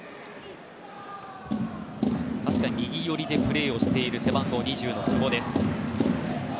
確かに、右寄りでプレーしている背番号２０の久保です。